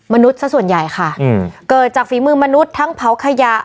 สักส่วนใหญ่ค่ะอืมเกิดจากฝีมือมนุษย์ทั้งเผาขยะ